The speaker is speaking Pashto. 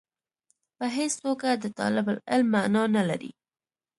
په هېڅ توګه د طالب العلم معنا نه لري.